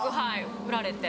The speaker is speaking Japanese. ふられて。